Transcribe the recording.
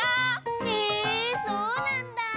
へえそうなんだ！